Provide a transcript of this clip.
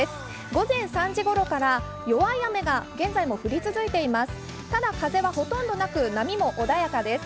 午前３時ごろから弱い雨が現在も降り続いています。